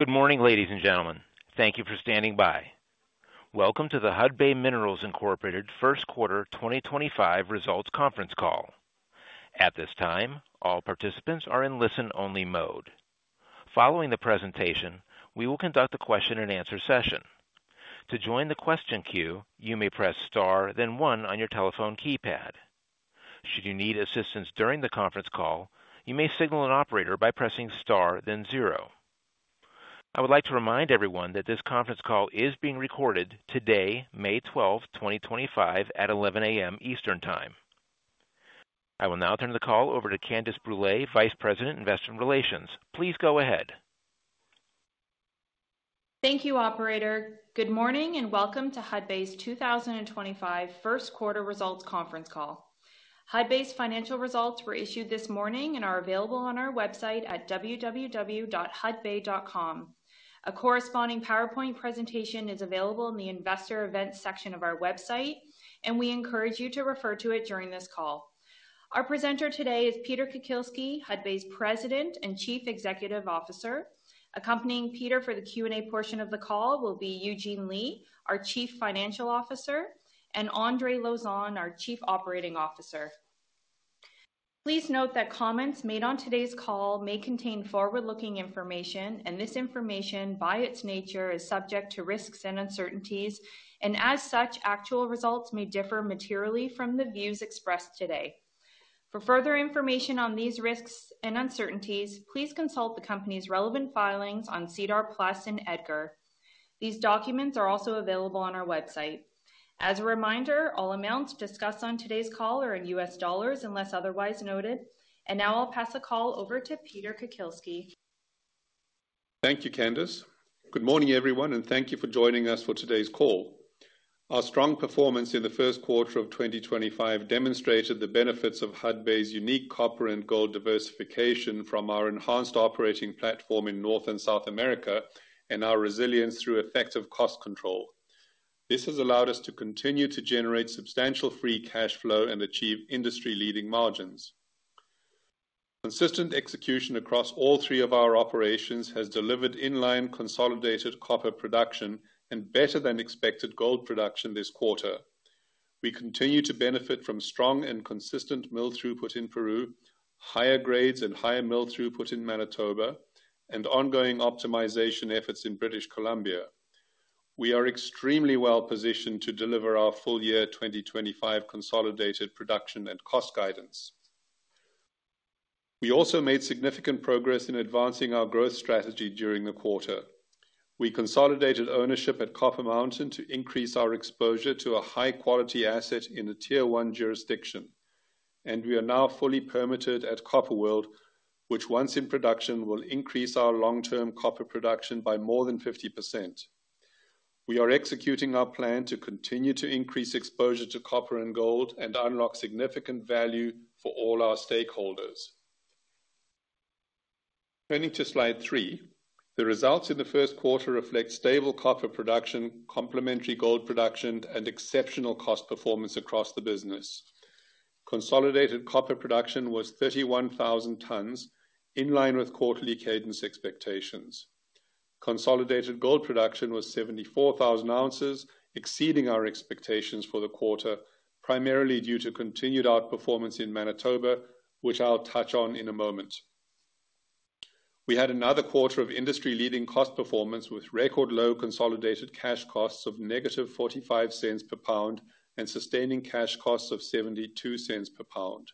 Good morning, ladies and gentlemen. Thank you for standing by. Welcome to the Hudbay Minerals Incorporated First Quarter 2025 Results Conference Call. At this time, all participants are in listen-only mode. Following the presentation, we will conduct a question-and-answer session. To join the question queue, you may press star, then one on your telephone keypad. Should you need assistance during the conference call, you may signal an operator by pressing star, then zero. I would like to remind everyone that this conference call is being recorded today, May 12th, 2025, at 11:00 A.M. Eastern Time. I will now turn the call over to Candace Brûlé, Vice President, Investor Relations. Please go ahead. Thank you, Operator. Good morning and welcome to Hudbay's 2025 First Quarter Results Conference Call. Hudbay's financial results were issued this morning and are available on our website at www.hudbay.com. A corresponding PowerPoint presentation is available in the Investor Events section of our website, and we encourage you to refer to it during this call. Our presenter today is Peter Kukielski, Hudbay's President and Chief Executive Officer. Accompanying Peter for the Q&A portion of the call will be Eugene Lee, our Chief Financial Officer, and André Lauzon, our Chief Operating Officer. Please note that comments made on today's call may contain forward-looking information, and this information, by its nature, is subject to risks and uncertainties, and as such, actual results may differ materially from the views expressed today. For further information on these risks and uncertainties, please consult the company's relevant filings on CDAR Plus and EDGAR. These documents are also available on our website. As a reminder, all amounts discussed on today's call are in U.S. dollars unless otherwise noted, and now I'll pass the call over to Peter Kukielski. Thank you, Candace. Good morning, everyone, and thank you for joining us for today's call. Our strong performance in the first quarter of 2025 demonstrated the benefits of Hudbay's unique copper and gold diversification from our enhanced operating platform in North and South America and our resilience through effective cost control. This has allowed us to continue to generate substantial free cash flow and achieve industry-leading margins. Consistent execution across all three of our operations has delivered inline consolidated copper production and better-than-expected gold production this quarter. We continue to benefit from strong and consistent mill throughput in Peru, higher grades and higher mill throughput in Manitoba, and ongoing optimization efforts in British Columbia. We are extremely well-positioned to deliver our full-year 2025 consolidated production and cost guidance. We also made significant progress in advancing our growth strategy during the quarter. We consolidated ownership at Copper Mountain to increase our exposure to a high-quality asset in a Tier 1 jurisdiction, and we are now fully permitted at Copper World, which, once in production, will increase our long-term copper production by more than 50%. We are executing our plan to continue to increase exposure to copper and gold and unlock significant value for all our stakeholders. Turning to slide three, the results in the first quarter reflect stable copper production, complementary gold production, and exceptional cost performance across the business. Consolidated copper production was 31,000 tons, in line with quarterly cadence expectations. Consolidated gold production was 74,000 ounces, exceeding our expectations for the quarter, primarily due to continued outperformance in Manitoba, which I'll touch on in a moment. We had another quarter of industry-leading cost performance with record-low consolidated cash costs of negative $0.45 per pound and sustaining cash costs of $0.72 per pound.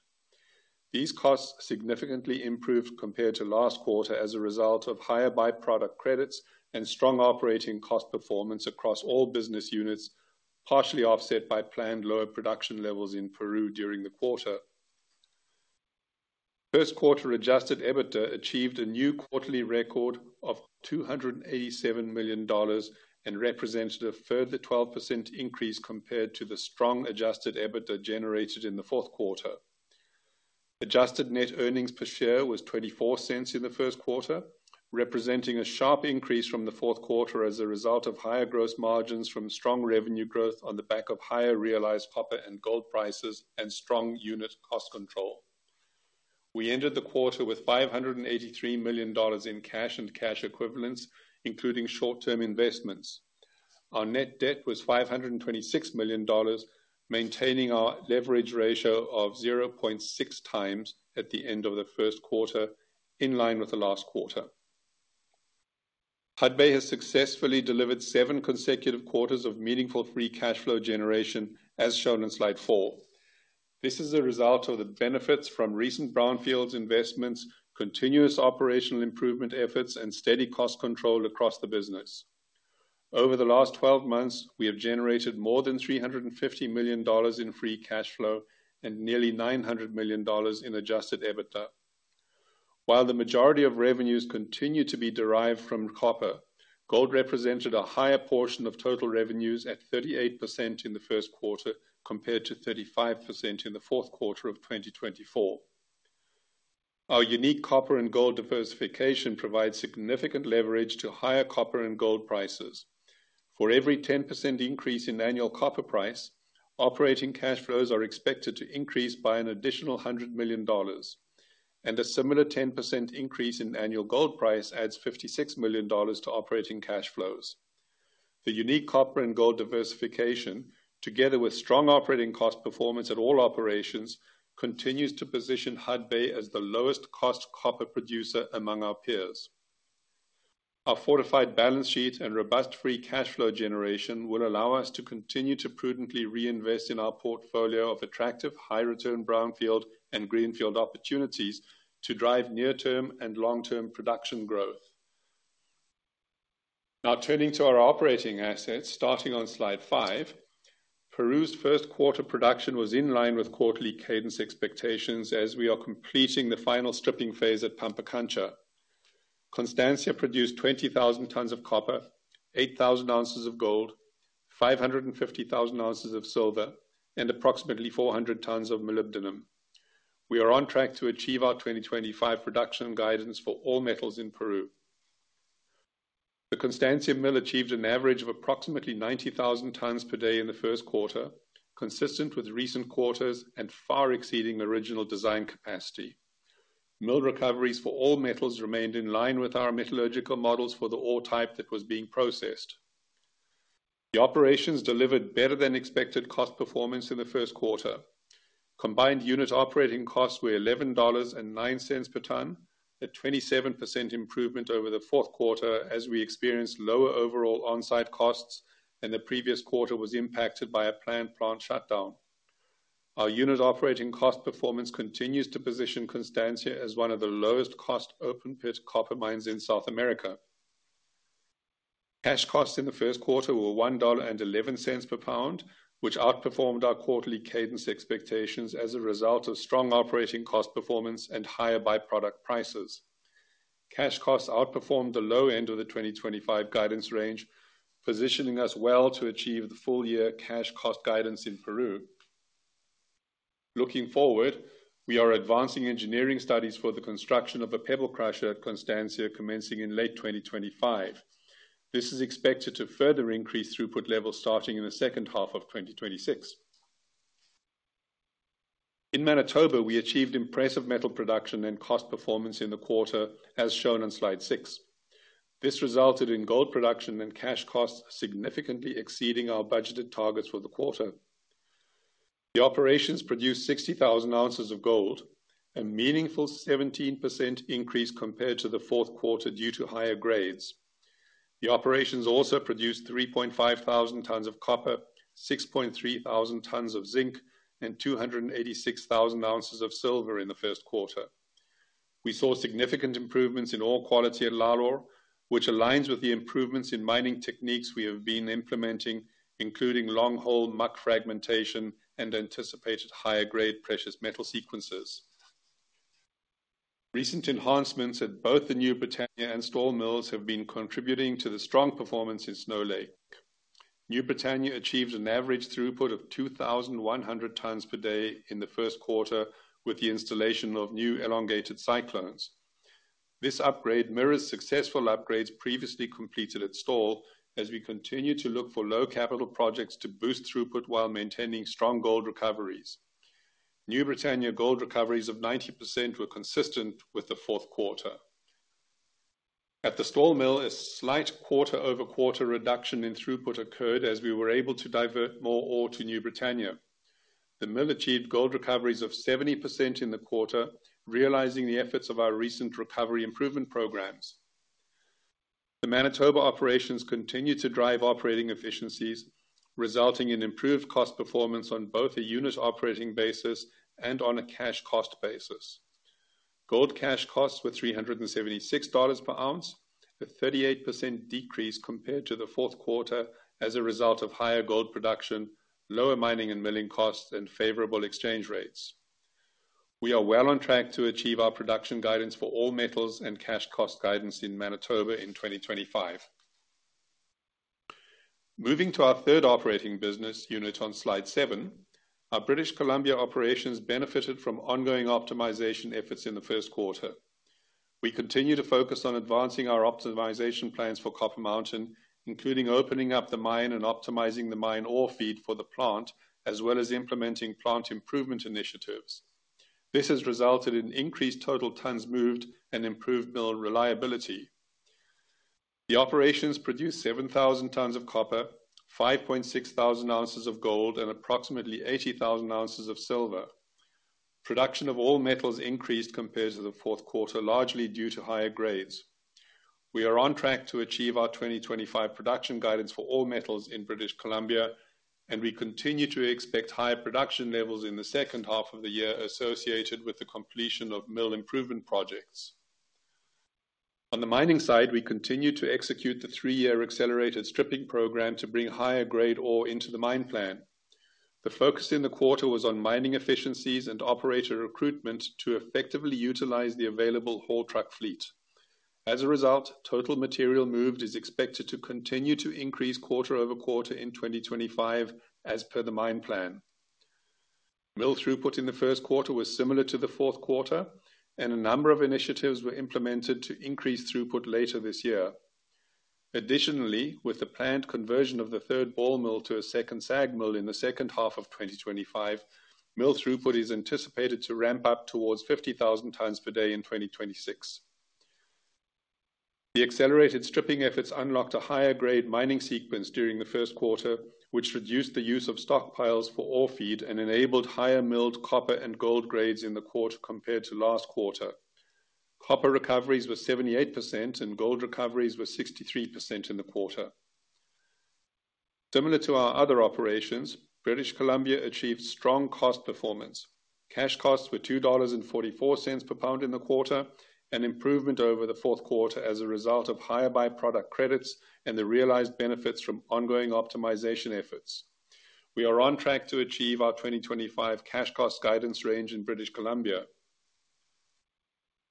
These costs significantly improved compared to last quarter as a result of higher byproduct credits and strong operating cost performance across all business units, partially offset by planned lower production levels in Peru during the quarter. First quarter Adjusted EBITDA achieved a new quarterly record of $287 million and represented a further 12% increase compared to the strong Adjusted EBITDA generated in the fourth quarter. Adjusted net earnings per share was $0.24 in the first quarter, representing a sharp increase from the fourth quarter as a result of higher gross margins from strong revenue growth on the back of higher realized copper and gold prices and strong unit cost control. We entered the quarter with $583 million in cash and cash equivalents, including short-term investments. Our net debt was $526 million, maintaining our leverage ratio of 0.6 times at the end of the first quarter, in line with the last quarter. Hudbay has successfully delivered seven consecutive quarters of meaningful free cash flow generation, as shown in slide four. This is a result of the benefits from recent brownfields investments, continuous operational improvement efforts, and steady cost control across the business. Over the last 12 months, we have generated more than $350 million in free cash flow and nearly $900 million in adjusted EBITDA. While the majority of revenues continue to be derived from copper, gold represented a higher portion of total revenues at 38% in the first quarter compared to 35% in the fourth quarter of 2024. Our unique copper and gold diversification provides significant leverage to higher copper and gold prices. For every 10% increase in annual copper price, operating cash flows are expected to increase by an additional $100 million, and a similar 10% increase in annual gold price adds $56 million to operating cash flows. The unique copper and gold diversification, together with strong operating cost performance at all operations, continues to position Hudbay as the lowest-cost copper producer among our peers. Our fortified balance sheet and robust free cash flow generation will allow us to continue to prudently reinvest in our portfolio of attractive high-return brownfield and greenfield opportunities to drive near-term and long-term production growth. Now turning to our operating assets, starting on slide five, Peru's first quarter production was in line with quarterly cadence expectations as we are completing the final stripping phase at Pampacancha. Constancia produced 20,000 tons of copper, 8,000 ounces of gold, 550,000 ounces of silver, and approximately 400 tons of molybdenum. We are on track to achieve our 2025 production guidance for all metals in Peru. The Constancia mill achieved an average of approximately 90,000 tons per day in the first quarter, consistent with recent quarters and far exceeding original design capacity. Mill recoveries for all metals remained in line with our metallurgical models for the ore type that was being processed. The operations delivered better-than-expected cost performance in the first quarter. Combined unit operating costs were $11.09 per ton, a 27% improvement over the fourth quarter as we experienced lower overall onsite costs than the previous quarter was impacted by a planned plant shutdown. Our unit operating cost performance continues to position Constancia as one of the lowest-cost open-pit copper mines in South America. Cash costs in the first quarter were $1.11 per pound, which outperformed our quarterly cadence expectations as a result of strong operating cost performance and higher byproduct prices. Cash costs outperformed the low end of the 2025 guidance range, positioning us well to achieve the full-year cash cost guidance in Peru. Looking forward, we are advancing engineering studies for the construction of a pebble crusher at Constancia commencing in late 2025. This is expected to further increase throughput levels starting in the second half of 2026. In Manitoba, we achieved impressive metal production and cost performance in the quarter, as shown on slide six. This resulted in gold production and cash costs significantly exceeding our budgeted targets for the quarter. The operations produced 60,000 ounces of gold, a meaningful 17% increase compared to the fourth quarter due to higher grades. The operations also produced 3.5 thousand tons of copper, 6.3 thousand tons of zinc, and 286,000 ounces of silver in the first quarter. We saw significant improvements in ore quality at Lalor, which aligns with the improvements in mining techniques we have been implementing, including long-hole muck fragmentation and anticipated higher-grade precious metal sequences. Recent enhancements at both the New Britannia and Stall Mills have been contributing to the strong performance in Snow Lake. New Britannia achieved an average throughput of 2,100 tons per day in the first quarter with the installation of new elongated cyclones. This upgrade mirrors successful upgrades previously completed at Stall as we continue to look for low-capital projects to boost throughput while maintaining strong gold recoveries. New Britannia gold recoveries of 90% were consistent with the fourth quarter. At the Stall Mill, a slight quarter-over-quarter reduction in throughput occurred as we were able to divert more ore to New Britannia. The mill achieved gold recoveries of 70% in the quarter, realizing the efforts of our recent recovery improvement programs. The Manitoba operations continue to drive operating efficiencies, resulting in improved cost performance on both a unit operating basis and on a cash cost basis. Gold cash costs were $376 per ounce, a 38% decrease compared to the fourth quarter as a result of higher gold production, lower mining and milling costs, and favorable exchange rates. We are well on track to achieve our production guidance for all metals and cash cost guidance in Manitoba in 2025. Moving to our third operating business unit on slide seven, our British Columbia operations benefited from ongoing optimization efforts in the first quarter. We continue to focus on advancing our optimization plans for Copper Mountain, including opening up the mine and optimizing the mine ore feed for the plant, as well as implementing plant improvement initiatives. This has resulted in increased total tons moved and improved mill reliability. The operations produced 7,000 tons of copper, 5.6 thousand ounces of gold, and approximately 80,000 ounces of silver. Production of all metals increased compared to the fourth quarter, largely due to higher grades. We are on track to achieve our 2025 production guidance for all metals in British Columbia, and we continue to expect higher production levels in the second half of the year associated with the completion of mill improvement projects. On the mining side, we continue to execute the three-year accelerated stripping program to bring higher-grade ore into the mine plan. The focus in the quarter was on mining efficiencies and operator recruitment to effectively utilize the available haul truck fleet. As a result, total material moved is expected to continue to increase quarter-over-quarter in 2025 as per the mine plan. Mill throughput in the first quarter was similar to the fourth quarter, and a number of initiatives were implemented to increase throughput later this year. Additionally, with the planned conversion of the third ball mill to a second SAG mill in the second half of 2025, mill throughput is anticipated to ramp up towards 50,000 tons per day in 2026. The accelerated stripping efforts unlocked a higher-grade mining sequence during the first quarter, which reduced the use of stockpiles for ore feed and enabled higher milled copper and gold grades in the quarter compared to last quarter. Copper recoveries were 78%, and gold recoveries were 63% in the quarter. Similar to our other operations, British Columbia achieved strong cost performance. Cash costs were $2.44 per pound in the quarter, an improvement over the fourth quarter as a result of higher byproduct credits and the realized benefits from ongoing optimization efforts. We are on track to achieve our 2025 cash cost guidance range in British Columbia.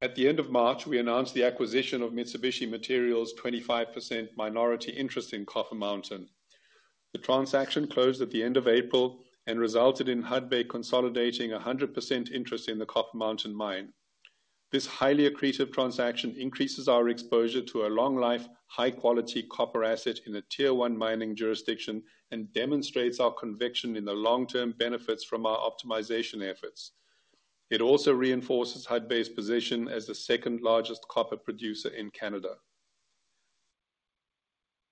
At the end of March, we announced the acquisition of Mitsubishi Materials' 25% minority interest in Copper Mountain. The transaction closed at the end of April and resulted in Hudbay consolidating 100% interest in the Copper Mountain mine. This highly accretive transaction increases our exposure to a long-life, high-quality copper asset in a Tier 1 mining jurisdiction and demonstrates our conviction in the long-term benefits from our optimization efforts. It also reinforces Hudbay's position as the second-largest copper producer in Canada.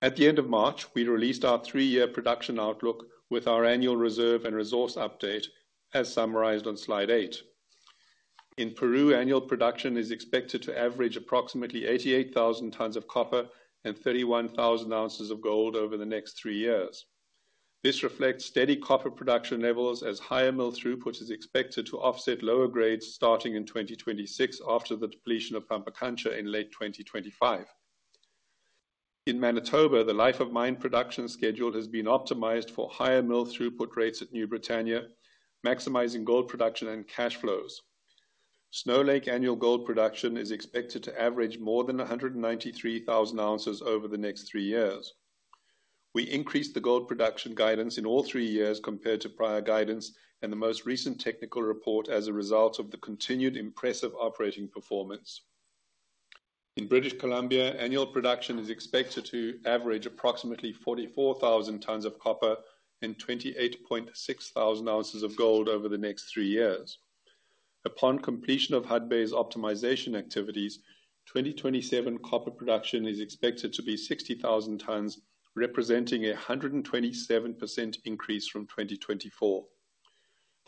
At the end of March, we released our three-year production outlook with our annual reserve and resource update, as summarized on slide eight. In Peru, annual production is expected to average approximately 88,000 tons of copper and 31,000 ounces of gold over the next three years. This reflects steady copper production levels as higher mill throughput is expected to offset lower grades starting in 2026 after the depletion of Pampacancha in late 2025. In Manitoba, the life-of-mine production schedule has been optimized for higher mill throughput rates at New Britannia, maximizing gold production and cash flows. Snow Lake annual gold production is expected to average more than 193,000 ounces over the next three years. We increased the gold production guidance in all three years compared to prior guidance and the most recent technical report as a result of the continued impressive operating performance. In British Columbia, annual production is expected to average approximately 44,000 tons of copper and 28.6 thousand ounces of gold over the next three years. Upon completion of Hudbay's optimization activities, 2027 copper production is expected to be 60,000 tons, representing a 127% increase from 2024.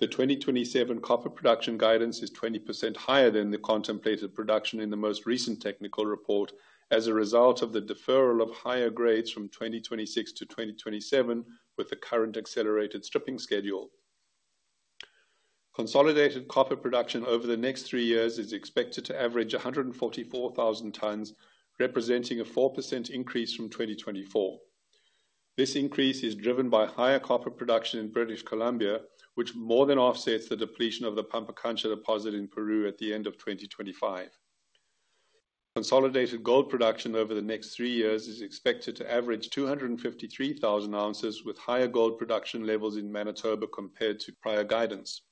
The 2027 copper production guidance is 20% higher than the contemplated production in the most recent technical report as a result of the deferral of higher grades from 2026 to 2027 with the current accelerated stripping schedule. Consolidated copper production over the next three years is expected to average 144,000 tons, representing a 4% increase from 2024. This increase is driven by higher copper production in British Columbia, which more than offsets the depletion of the Pampacancha deposit in Peru at the end of 2025. Consolidated gold production over the next three years is expected to average 253,000 ounces, with higher gold production levels in Manitoba compared to prior guidance.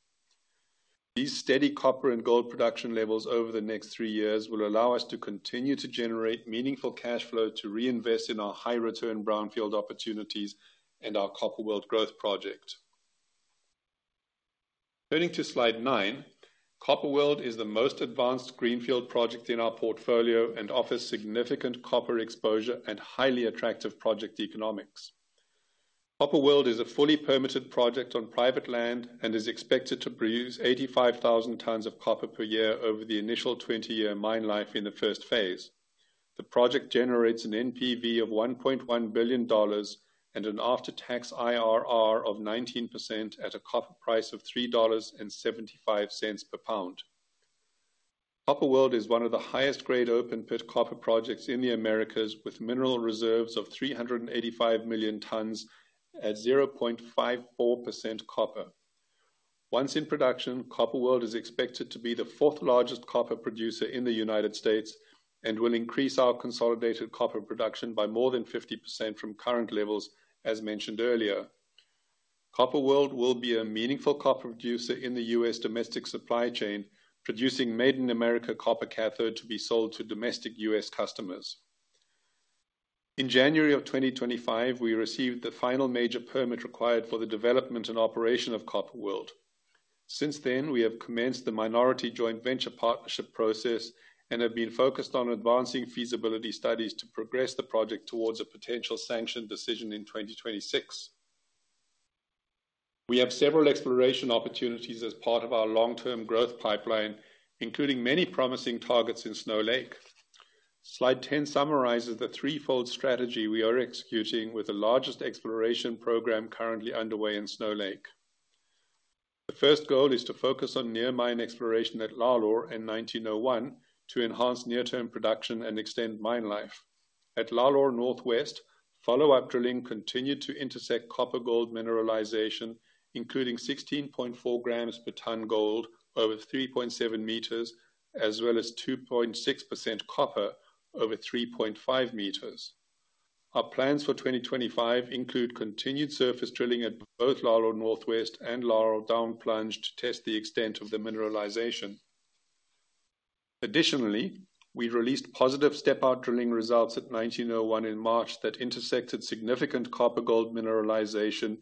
These steady copper and gold production levels over the next three years will allow us to continue to generate meaningful cash flow to reinvest in our high-return brownfield opportunities and our Copper World growth project. Turning to slide nine, Copper World is the most advanced greenfield project in our portfolio and offers significant copper exposure and highly attractive project economics. Copper World is a fully permitted project on private land and is expected to produce 85,000 tons of copper per year over the initial 20-year mine life in the first phase. The project generates an NPV of $1.1 billion and an after-tax IRR of 19% at a copper price of $3.75 per pound. Copper World is one of the highest-grade open-pit copper projects in the Americas, with mineral reserves of 385 million tons at 0.54% copper. Once in production, Copper World is expected to be the fourth-largest copper producer in the U.S. and will increase our consolidated copper production by more than 50% from current levels, as mentioned earlier. Copper World will be a meaningful copper producer in the U.S. domestic supply chain, producing made-in-America copper cathode to be sold to domestic U.S. customers. In January 2025, we received the final major permit required for the development and operation of Copper World. Since then, we have commenced the minority joint venture partnership process and have been focused on advancing feasibility studies to progress the project towards a potential sanction decision in 2026. We have several exploration opportunities as part of our long-term growth pipeline, including many promising targets in Snow Lake. Slide 10 summarizes the threefold strategy we are executing, with the largest exploration program currently underway in Snow Lake. The first goal is to focus on near-mine exploration at Lalor and 1901 to enhance near-term production and extend mine life. At Lalor Northwest, follow-up drilling continued to intersect copper-gold mineralization, including 16.4 grams per ton gold over 3.7 meters, as well as 2.6% copper over 3.5 meters. Our plans for 2025 include continued surface drilling at both Lalor Northwest and Lalor Downplunge to test the extent of the mineralization. Additionally, we released positive step-out drilling results at 1901 in March that intersected significant copper-gold mineralization,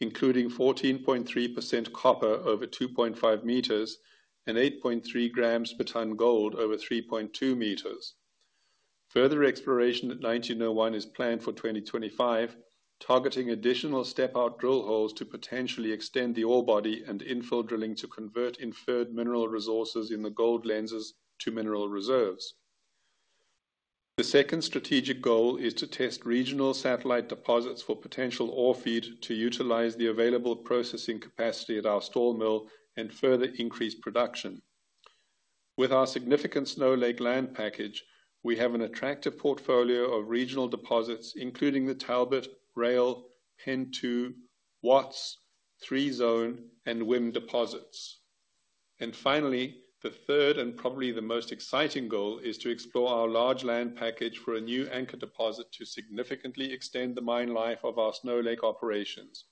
including 14.3% copper over 2.5 meters and 8.3 grams per ton gold over 3.2 meters. Further exploration at 1901 is planned for 2025, targeting additional step-out drill holes to potentially extend the ore body and infill drilling to convert inferred mineral resources in the gold lenses to mineral reserves. The second strategic goal is to test regional satellite deposits for potential ore feed to utilize the available processing capacity at our Stall Mill and further increase production. With our significant Snow Lake land package, we have an attractive portfolio of regional deposits, including the Talbot, Rail, Pen 2, Watts, 3-Zone, and WIM deposits. Finally, the third and probably the most exciting goal is to explore our large land package for a new anchor deposit to significantly extend the mine life of our Snow Lake operations.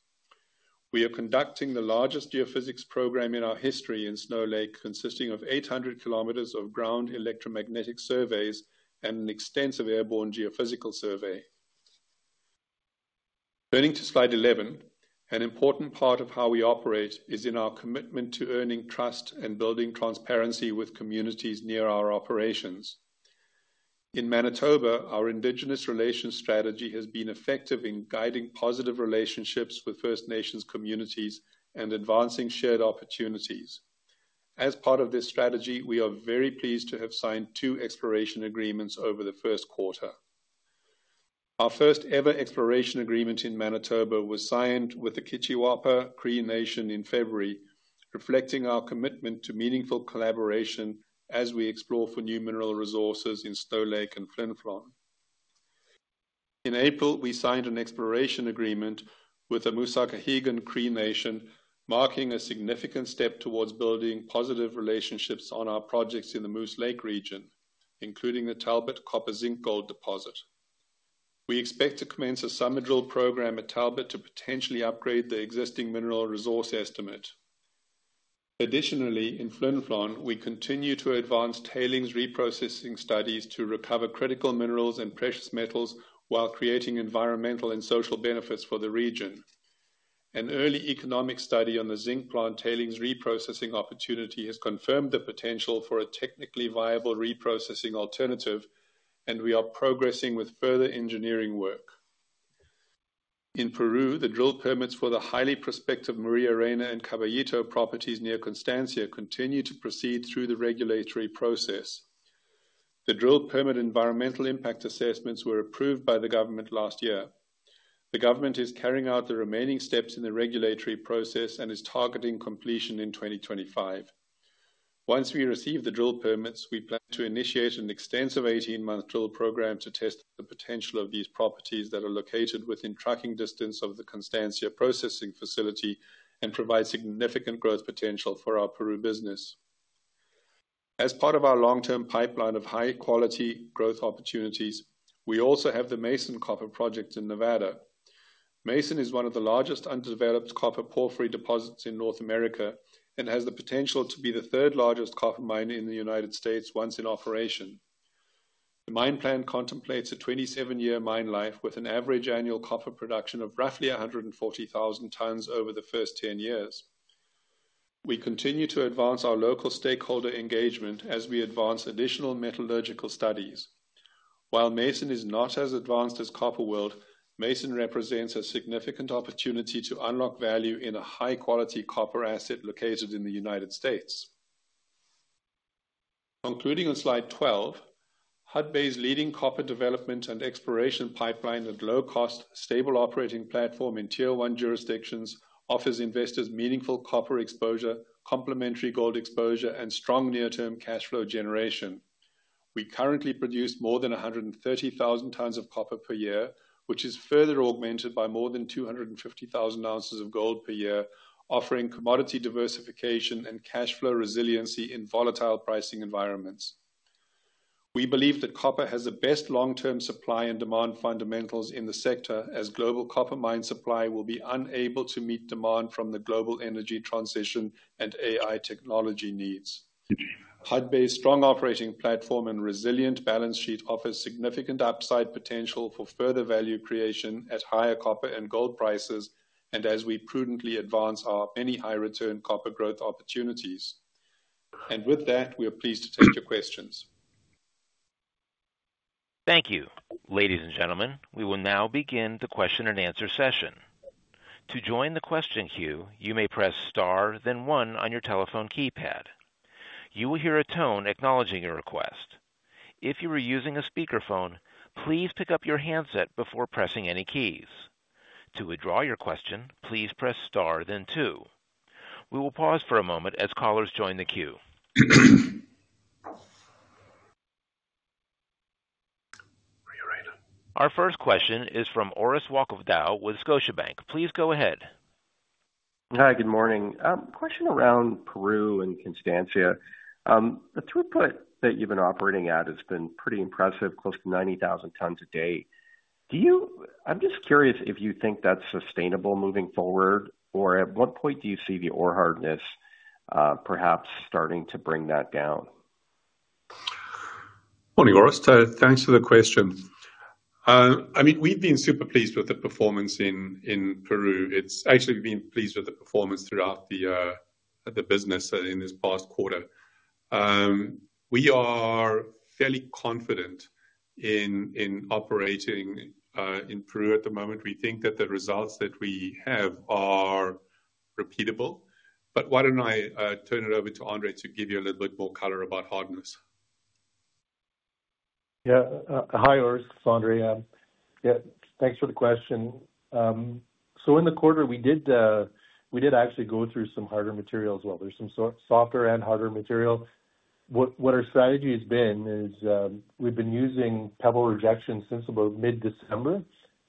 We are conducting the largest geophysics program in our history in Snow Lake, consisting of 800 kilometers of ground electromagnetic surveys and an extensive airborne geophysical survey. Turning to slide 11, an important part of how we operate is in our commitment to earning trust and building transparency with communities near our operations. In Manitoba, our Indigenous relations strategy has been effective in guiding positive relationships with First Nations communities and advancing shared opportunities. As part of this strategy, we are very pleased to have signed two exploration agreements over the first quarter. Our first-ever exploration agreement in Manitoba was signed with the Kiciwapa Cree Nation in February, reflecting our commitment to meaningful collaboration as we explore for new mineral resources in Snow Lake and Flin Flon. In April, we signed an exploration agreement with the Mosakahiken Cree Nation, marking a significant step towards building positive relationships on our projects in the Moose Lake region, including the Talbot copper zinc gold deposit. We expect to commence a summer drill program at Talbot to potentially upgrade the existing mineral resource estimate. Additionally, in Flin Flon, we continue to advance tailings reprocessing studies to recover critical minerals and precious metals while creating environmental and social benefits for the region. An early economic study on the zinc plant tailings reprocessing opportunity has confirmed the potential for a technically viable reprocessing alternative, and we are progressing with further engineering work. In Peru, the drill permits for the highly prospective Maria Reina and Caballito properties near Constancia continue to proceed through the regulatory process. The drill permit environmental impact assessments were approved by the government last year. The government is carrying out the remaining steps in the regulatory process and is targeting completion in 2025. Once we receive the drill permits, we plan to initiate an extensive 18-month drill program to test the potential of these properties that are located within trucking distance of the Constancia processing facility and provide significant growth potential for our Peru business. As part of our long-term pipeline of high-quality growth opportunities, we also have the Mason Copper Project in Nevada. Mason is one of the largest underdeveloped copper porphyry deposits in North America and has the potential to be the third-largest copper mine in the United States once in operation. The mine plan contemplates a 27-year mine life with an average annual copper production of roughly 140,000 tons over the first 10 years. We continue to advance our local stakeholder engagement as we advance additional metallurgical studies. While Mason is not as advanced as Copper World, Mason represents a significant opportunity to unlock value in a high-quality copper asset located in the United States. Concluding on slide 12, Hudbay's leading copper development and exploration pipeline and low-cost, stable operating platform in Tier 1 jurisdictions offers investors meaningful copper exposure, complementary gold exposure, and strong near-term cash flow generation. We currently produce more than 130,000 tons of copper per year, which is further augmented by more than 250,000 ounces of gold per year, offering commodity diversification and cash flow resiliency in volatile pricing environments. We believe that copper has the best long-term supply and demand fundamentals in the sector, as global copper mine supply will be unable to meet demand from the global energy transition and AI technology needs. Hudbay's strong operating platform and resilient balance sheet offers significant upside potential for further value creation at higher copper and gold prices as we prudently advance our many high-return copper growth opportunities. With that, we are pleased to take your questions. Thank you, ladies and gentlemen. We will now begin the question and answer session. To join the question queue, you may press star, then one on your telephone keypad. You will hear a tone acknowledging your request. If you are using a speakerphone, please pick up your handset before pressing any keys. To withdraw your question, please press star, then two. We will pause for a moment as callers join the queue. Our first question is from Orest Wowkodaw with Scotiabank. Please go ahead. Hi, good morning. Question around Peru and Constancia. The throughput that you have been operating at has been pretty impressive, close to 90,000 tons a day. I am just curious if you think that is sustainable moving forward, or at what point do you see the ore hardness perhaps starting to bring that down? Morning, Orest. Thanks for the question. I mean, we have been super pleased with the performance in Peru. Actually been pleased with the performance throughout the business in this past quarter. We are fairly confident in operating in Peru at the moment. We think that the results that we have are repeatable. Why do I not turn it over to André to give you a little bit more color about hardness? Yeah. Hi, Orest. This is André. Yeah, thanks for the question. In the quarter, we did actually go through some harder material as well. There is some softer and harder material. What our strategy has been is we've been using pebble rejection since about mid-December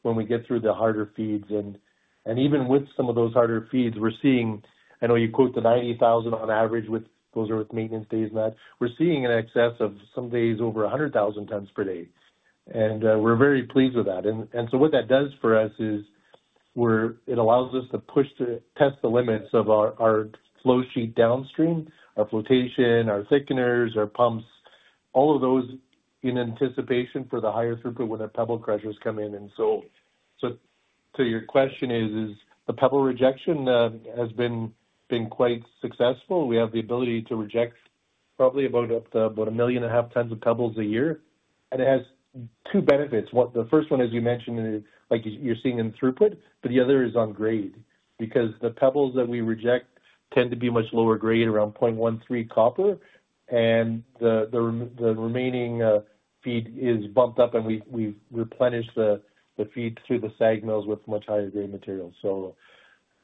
when we get through the harder feeds. Even with some of those harder feeds, we're seeing—I know you quote the 90,000 on average, with those are with maintenance days and that—we're seeing in excess of some days over 100,000 tons per day. We are very pleased with that. What that does for us is it allows us to push to test the limits of our flow sheet downstream, our flotation, our thickeners, our pumps, all of those in anticipation for the higher throughput when the pebble crushers come in. To your question, the pebble rejection has been quite successful. We have the ability to reject probably about 1.5 million tons of pebbles a year. It has two benefits. The first one, as you mentioned, like you're seeing in throughput, but the other is on grade because the pebbles that we reject tend to be much lower grade, around 0.13% copper, and the remaining feed is bumped up and we replenish the feed through the SAG mills with much higher grade materials.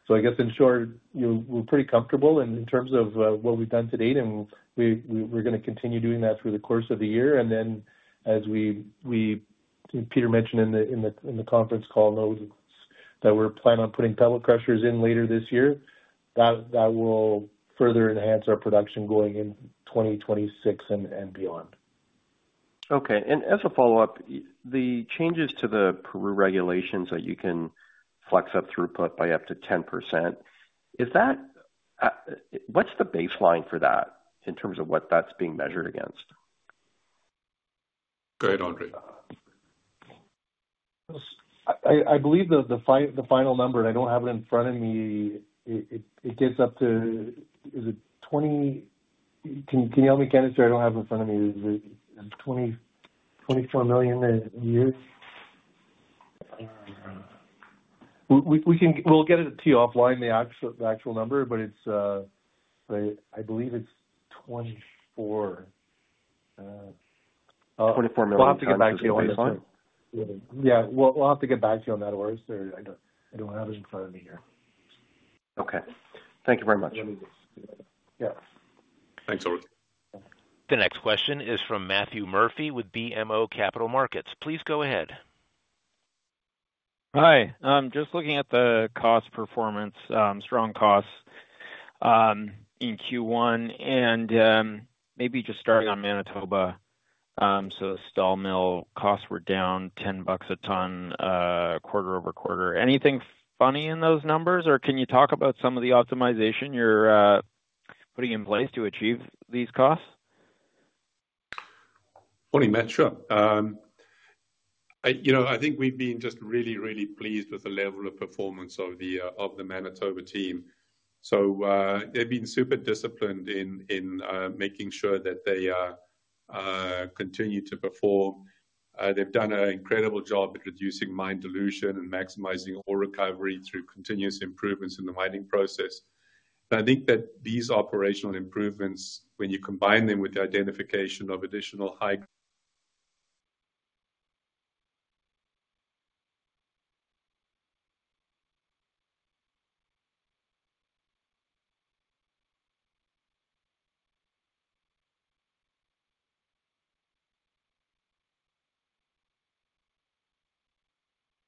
I guess in short, we're pretty comfortable in terms of what we've done to date, and we're going to continue doing that through the course of the year. As Peter mentioned in the conference call notes, we're planning on putting pebble crushers in later this year that will further enhance our production going in 2026 and beyond. Okay. As a follow-up, the changes to the Peru regulations that you can flex up throughput by up to 10%, what's the baseline for that in terms of what that's being measured against? Go ahead, André. I believe the final number, and I don't have it in front of me. It gets up to, is it 20? Can you help me? I don't have it in front of me. Is it 24 million a year? We'll get it to you offline, the actual number, but I believe it's 24. $24 million. We'll have to get back to you on this one. Yeah. We'll have to get back to you on that, Orest. I don't have it in front of me here. Okay. Thank you very much. Yeah. Thanks, Orest. The next question is from Matthew Murphy with BMO Capital Markets. Please go ahead. Hi. Just looking at the cost performance, strong costs in Q1, and maybe just starting on Manitoba. So the Stall Mill costs were down $10 a ton, quarter over quarter. Anything funny in those numbers, or can you talk about some of the optimization you're putting in place to achieve these costs? Funny, man. Sure. I think we've been just really, really pleased with the level of performance of the Manitoba team. They have been super disciplined in making sure that they continue to perform. They've done an incredible job at reducing mine dilution and maximizing ore recovery through continuous improvements in the mining process. I think that these operational improvements, when you combine them with the identification of additional high—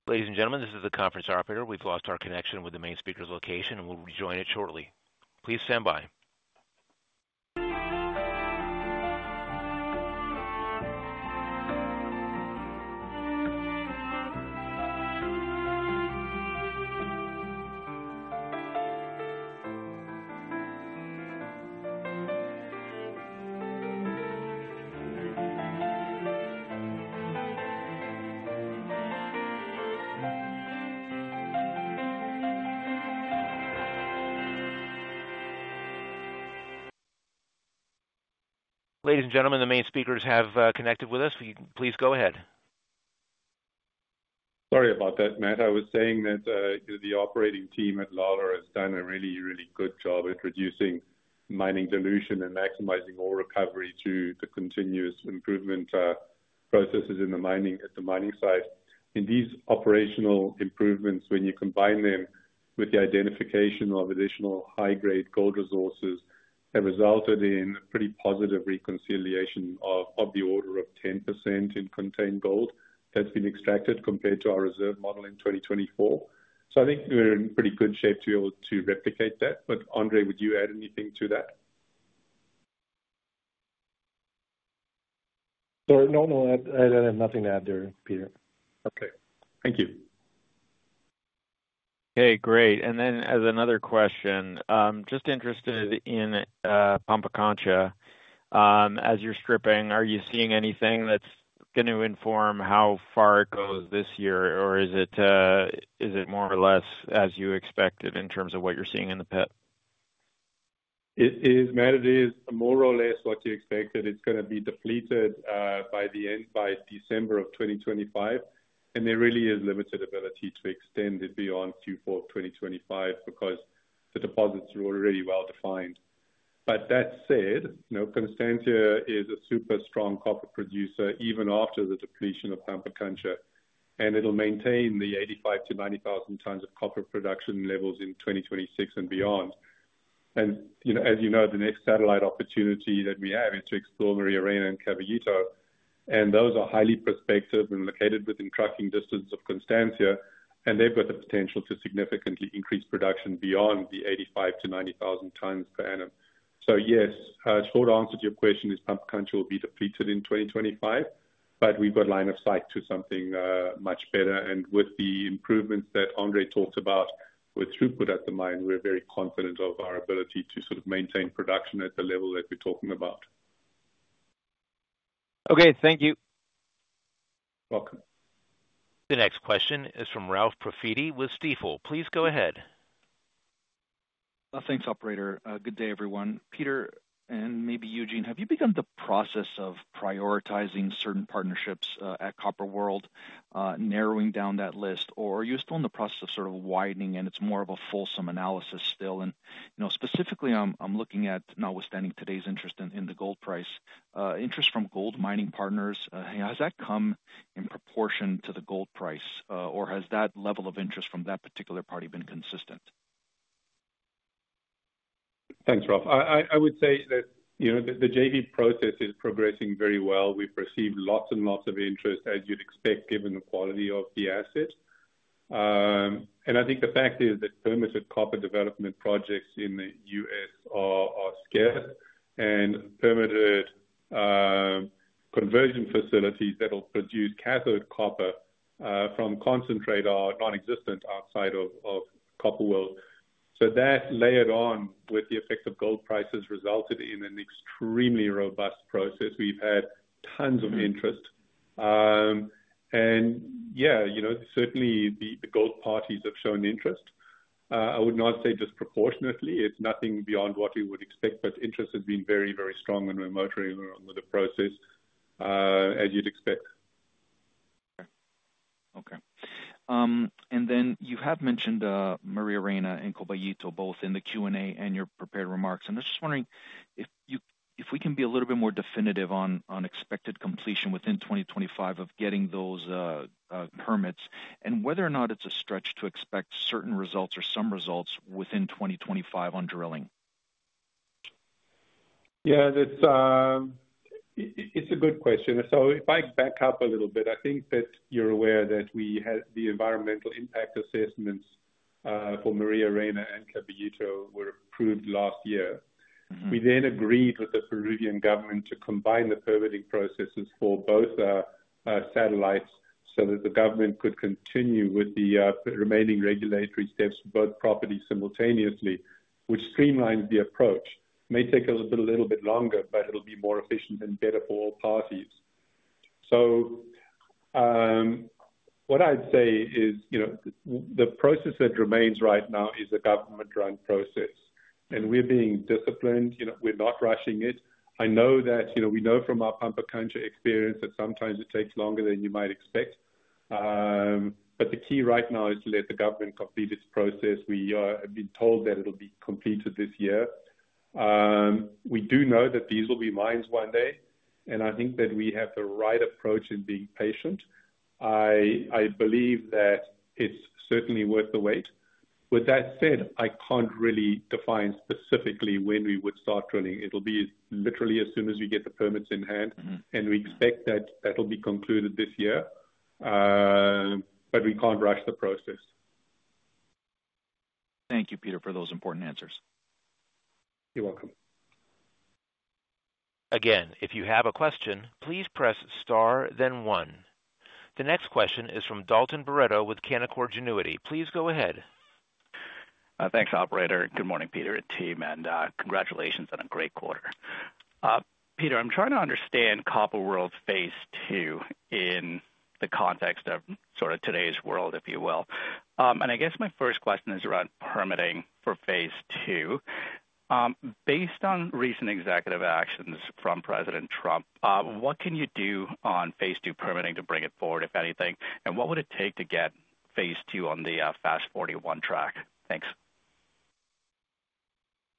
Ladies and gentlemen, this is the conference operator. We've lost our connection with the main speaker's location, and we'll rejoin it shortly. Please stand by. Ladies and gentlemen, the main speakers have connected with us. Please go ahead. Sorry about that, Matt. I was saying that the operating team at Lauzon has done a really, really good job introducing mining dilution and maximizing ore recovery to the continuous improvement processes at the mining site. These operational improvements, when you combine them with the identification of additional high-grade gold resources, have resulted in a pretty positive reconciliation of the order of 10% in contained gold that's been extracted compared to our reserve model in 2024. I think we're in pretty good shape to be able to replicate that. But André, would you add anything to that? No, no. I don't have nothing to add there, Peter. Okay. Thank you. Okay. Great. As another question, just interested in Pampacancha, as you're stripping, are you seeing anything that's going to inform how far it goes this year, or is it more or less as you expected in terms of what you're seeing in the pit? It is, Matt. It is more or less what you expected. It's going to be depleted by the end by December of 2025. There really is limited ability to extend it beyond Q4 of 2025 because the deposits are already well-defined. That said, Constancia is a super strong copper producer even after the depletion of Pampacancha, and it'll maintain the 85,000-90,000 tons of copper production levels in 2026 and beyond. As you know, the next satellite opportunity that we have is to explore Maria Reina and Caballito. Those are highly prospective and located within trucking distance of Constancia, and they have the potential to significantly increase production beyond the 85,000-90,000 tons per annum. Yes, short answer to your question is Pampacancha will be depleted in 2025, but we have line of sight to something much better. With the improvements that André talked about with throughput at the mine, we are very confident of our ability to sort of maintain production at the level that we are talking about. Okay. Thank you. Welcome. The next question is from Ralph Profiti with Stifel. Please go ahead. Thanks, operator. Good day, everyone. Peter and maybe Eugene, have you begun the process of prioritizing certain partnerships at Copper World, narrowing down that list, or are you still in the process of sort of widening? It is more of a fulsome analysis still. Specifically, I'm looking at, notwithstanding today's interest in the gold price, interest from gold mining partners. Has that come in proportion to the gold price, or has that level of interest from that particular party been consistent? Thanks, Ralph. I would say that the JV process is progressing very well. We've received lots and lots of interest, as you'd expect, given the quality of the asset. I think the fact is that permitted copper development projects in the U.S. are scarce, and permitted conversion facilities that will produce cathode copper from concentrate are nonexistent outside of Copper World. That, layered on with the effect of gold prices, resulted in an extremely robust process. We've had tons of interest. Yeah, certainly the gold parties have shown interest. I would not say disproportionately. It's nothing beyond what you would expect, but interest has been very, very strong and remote along with the process, as you'd expect. Okay. You have mentioned Maria Reina and Caballito both in the Q&A and your prepared remarks. I'm just wondering if we can be a little bit more definitive on expected completion within 2025 of getting those permits and whether or not it's a stretch to expect certain results or some results within 2025 on drilling. Yeah, it's a good question. If I back up a little bit, I think that you're aware that the environmental impact assessments for Maria Reina and Caballito were approved last year. We then agreed with the Peruvian government to combine the permitting processes for both satellites so that the government could continue with the remaining regulatory steps for both properties simultaneously, which streamlines the approach. It may take a little bit longer, but it'll be more efficient and better for all parties. What I'd say is the process that remains right now is a government-run process. We're being disciplined. We're not rushing it. I know that we know from our Pampacancha experience that sometimes it takes longer than you might expect. The key right now is to let the government complete its process. We have been told that it'll be completed this year. We do know that these will be mines one day. I think that we have the right approach in being patient. I believe that it's certainly worth the wait. With that said, I can't really define specifically when we would start drilling. It'll be literally as soon as we get the permits in hand. We expect that that'll be concluded this year. We can't rush the process. Thank you, Peter, for those important answers. You're welcome. Again, if you have a question, please press star, then one. The next question is from Dalton Barretto with Canaccord Genuity. Please go ahead. Thanks, operator. Good morning, Peter, and team. And congratulations on a great quarter. Peter, I'm trying to understand Copper World phase II in the context of sort of today's world, if you will. I guess my first question is around permitting for phase II. Based on recent executive actions from President Trump, what can you do on phase II permitting to bring it forward, if anything? What would it take to get phase II on the FAST-41 track? Thanks.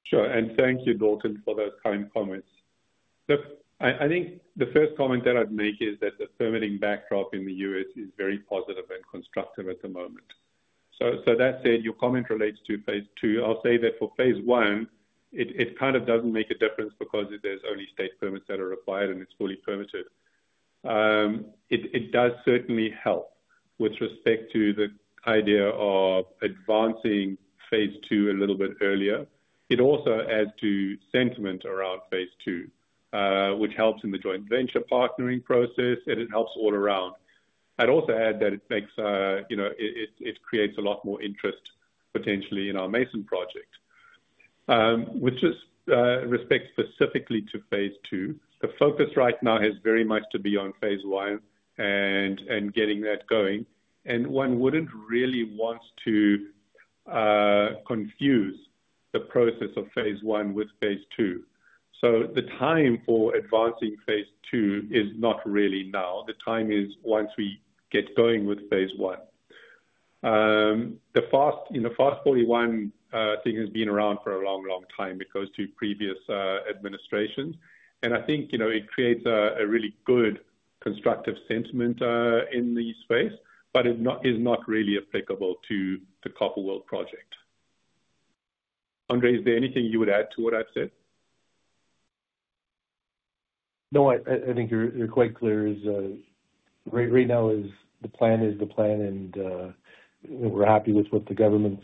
Sure. Thank you, Dalton, for those kind comments. Look, I think the first comment that I'd make is that the permitting backdrop in the U.S. is very positive and constructive at the moment. That said, your comment relates to phase II. I'll say that for phase I, it kind of doesn't make a difference because there's only state permits that are required and it's fully permitted. It does certainly help with respect to the idea of advancing phase II a little bit earlier. It also adds to sentiment around [hase II, which helps in the joint venture partnering process, and it helps all around. I'd also add that it creates a lot more interest potentially in our Mason project. With respect specifically to phase II, the focus right now has very much to be on phase I and getting that going. One wouldn't really want to confuse the process of phase I with phase II. The time for advancing phase II is not really now. The time is once we get going with phase I. The FAST-41 thing has been around for a long, long time. It goes to previous administrations. I think it creates a really good constructive sentiment in the space, but it is not really applicable to the Copper World project. André, is there anything you would add to what I've said? No, I think you're quite clear. Right now, the plan is the plan, and we're happy with what the government's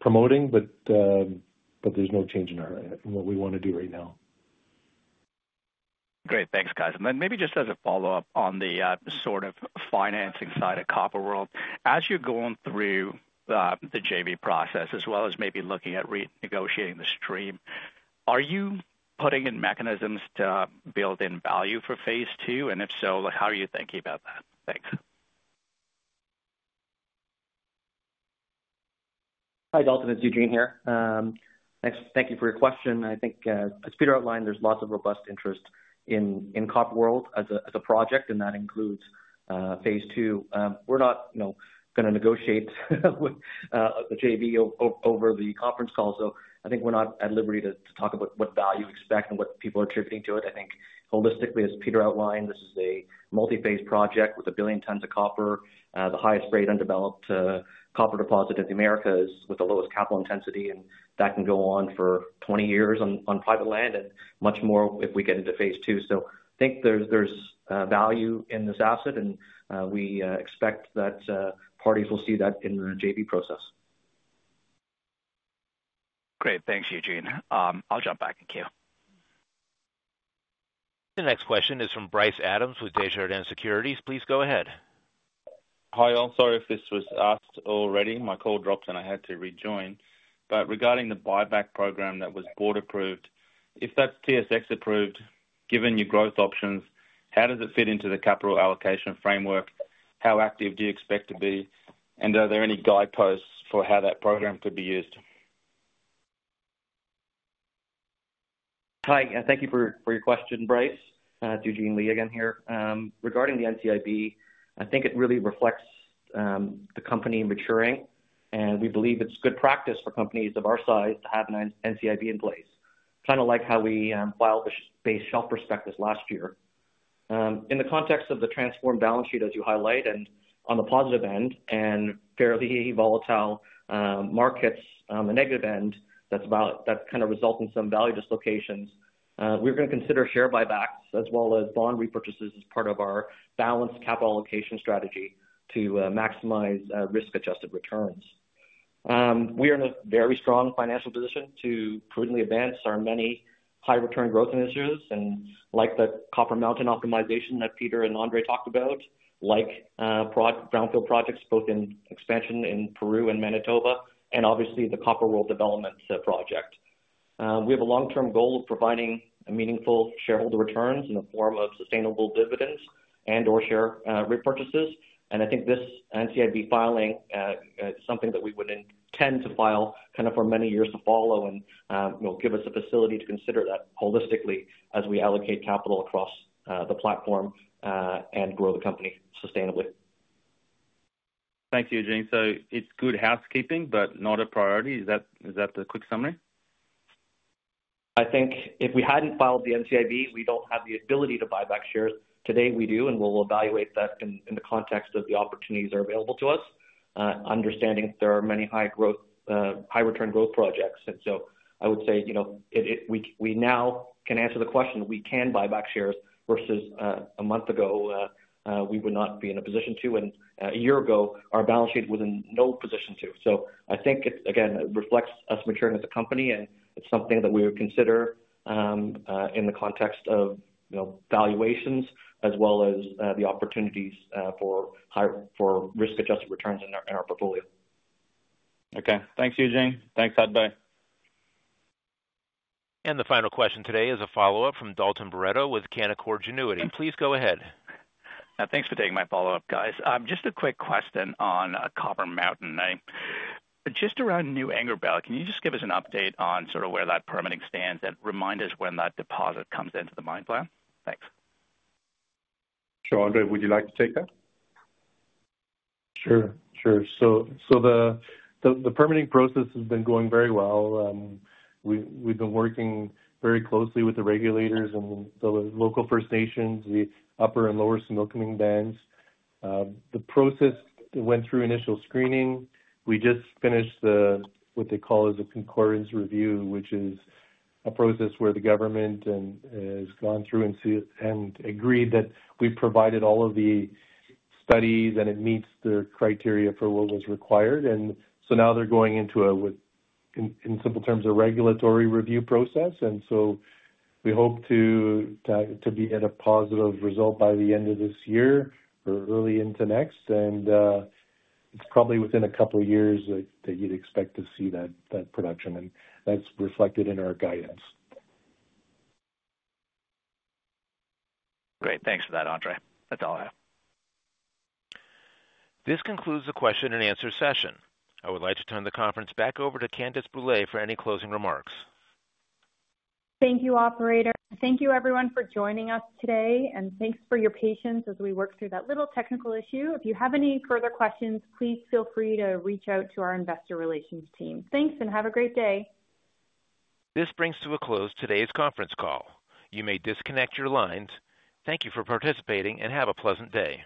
promoting, but there's no change in what we want to do right now. Great. Thanks, guys. Maybe just as a follow-up on the sort of financing side of Copper World, as you are going through the JV process, as well as maybe looking at renegotiating the stream, are you putting in mechanisms to build in value for phase II? If so, how are you thinking about that? Thanks. Hi, Dalton. It is Eugene here. Thank you for your question. I think, as Peter outlined, there is lots of robust interest in Copper World as a project, and that includes phase II. We are not going to negotiate with the JV over the conference call. I think we are not at liberty to talk about what value we expect and what people are attributing to it. I think holistically, as Peter outlined, this is a multi-phase project with a billion tons of copper. The highest rate undeveloped copper deposit in the Americas with the lowest capital intensity. That can go on for 20 years on private land and much more if we get into phase II. I think there's value in this asset, and we expect that parties will see that in the JV process. Great. Thanks, Eugene. I'll jump back in queue. The next question is from Bryce Adams with Desjardins Securities. Please go ahead. Hi. I'm sorry if this was asked already. My call dropped, and I had to rejoin. Regarding the buyback program that was board-approved, if that's TSX-approved, given your growth options, how does it fit into the capital allocation framework? How active do you expect to be? Are there any guideposts for how that program could be used? Hi. Thank you for your question, Bryce. It's Eugene Lee again here. Regarding the NCIB, I think it really reflects the company maturing. We believe it's good practice for companies of our size to have an NCIB in place. Kind of like how we filed the base shelf prospectus last year. In the context of the transformed balance sheet, as you highlight, on the positive end, and fairly volatile markets, on the negative end, that's kind of resulting in some value dislocations. We're going to consider share buybacks as well as bond repurchases as part of our balanced capital allocation strategy to maximize risk-adjusted returns. We are in a very strong financial position to prudently advance our many high-return growth initiatives. Like the Copper Mountain optimization that Peter and André talked about, like brownfield projects both in expansion in Peru and Manitoba, and obviously the Copper World development project. We have a long-term goal of providing meaningful shareholder returns in the form of sustainable dividends and/or share repurchases. I think this NCIB filing is something that we would intend to file kind of for many years to follow and give us the facility to consider that holistically as we allocate capital across the platform and grow the company sustainably. Thanks, Eugene. It is good housekeeping, but not a priority. Is that the quick summary? I think if we had not filed the NCIB, we do not have the ability to buy back shares. Today, we do, and we will evaluate that in the context of the opportunities that are available to us, understanding there are many high-return growth projects. I would say we now can answer the question. We can buy back shares versus a month ago, we would not be in a position to. A year ago, our balance sheet was in no position to. I think it, again, reflects us maturing as a company, and it's something that we would consider in the context of valuations as well as the opportunities for risk-adjusted returns in our portfolio. Okay. Thanks, Eugene. Thanks, Hudbay. The final question today is a follow-up from Dalton Barretto with Canaccord Genuity. Please go ahead. Thanks for taking my follow-up, guys. Just a quick question on Copper Mountain. Just around New Ingerbelle, can you just give us an update on sort of where that permitting stands and remind us when that deposit comes into the mine plan? Thanks. Sure, André. Would you like to take that? Sure. The permitting process has been going very well. We've been working very closely with the regulators and the local First Nations, the Upper and Lower Similkameen Bands. The process went through initial screening. We just finished what they call is a concordance review, which is a process where the government has gone through and agreed that we provided all of the studies and it meets the criteria for what was required. Now they're going into, in simple terms, a regulatory review process. We hope to be at a positive result by the end of this year or early into next. It's probably within a couple of years that you'd expect to see that production. That's reflected in our guidance. Great. Thanks for that, André. That's all I have. This concludes the question and answer session. I would like to turn the conference back over to Candace Brûlé for any closing remarks. Thank you, operator. Thank you, everyone, for joining us today. Thanks for your patience as we worked through that little technical issue. If you have any further questions, please feel free to reach out to our investor relations team. Thanks and have a great day. This brings to a close today's conference call. You may disconnect your lines. Thank you for participating and have a pleasant day.